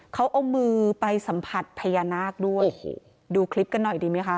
เขาเอามือไปสัมผัสพญานาคด้วยโอ้โหดูคลิปกันหน่อยดีไหมคะ